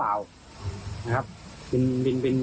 และก็คือว่าถึงแม้วันนี้จะพบรอยเท้าเสียแป้งจริงไหม